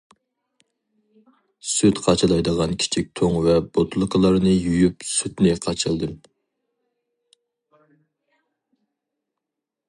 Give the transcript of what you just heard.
سۈت قاچىلايدىغان كىچىك تۇڭ ۋە بوتۇلكىلارنى يۇيۇپ سۈتنى قاچىلىدىم.